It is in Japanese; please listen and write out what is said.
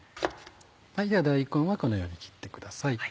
では大根はこのように切ってください。